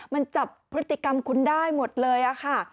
มันจับพฤติกรรมคุณได้หมดเลยค่ะ